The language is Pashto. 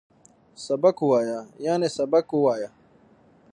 سبک وویه ، یعنی سبق ووایه